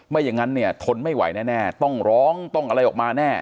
อย่างนั้นเนี่ยทนไม่ไหวแน่ต้องร้องต้องอะไรออกมาแน่